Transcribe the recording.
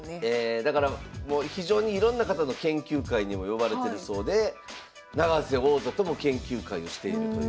だからもう非常にいろんな方の研究会にも呼ばれてるそうで永瀬王座とも研究会をしているという。